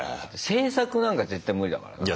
制作なんか絶対無理だからね。